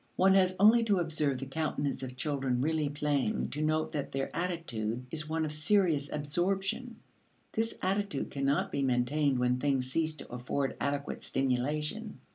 One has only to observe the countenance of children really playing to note that their attitude is one of serious absorption; this attitude cannot be maintained when things cease to afford adequate stimulation.